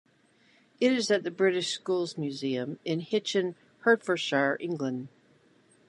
It is at the British Schools Museum, in Hitchin, Hertfordshire, England.